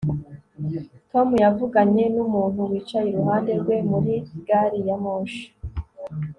Tom yavuganye numuntu wicaye iruhande rwe muri gari ya moshi